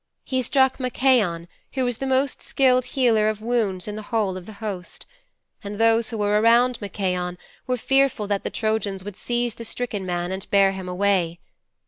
He struck Machaon who was the most skilled healer of wounds in the whole of the host. And those who were around Machaon were fearful that the Trojans would seize the stricken man and bear him away.